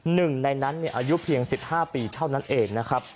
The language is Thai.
หนึ่งในนั้นอายุเพียง๑๕ปีเท่านั้นเองนะครับ